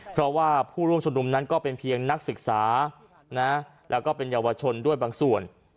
เพราะว่าผู้ร่วมชุมนุมนั้นก็เป็นเพียงนักศึกษาแล้วก็เป็นเยาวชนด้วยบางส่วน